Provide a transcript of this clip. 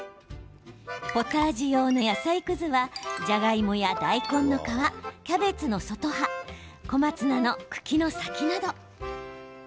ポタージュ用の野菜くずはじゃがいもや大根の皮キャベツの外葉小松菜の茎の先など。